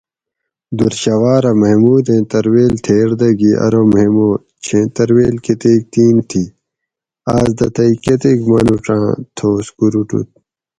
دُر شھوارھہ محمودین ترویل تھیر دہ گی ارو محمود! چھیں ترویل کتیک تین تھی آس دہ تئ کتیک مانوڄاۤں تھوس کوروٹوت